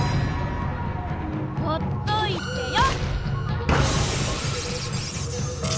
ほっといてよ！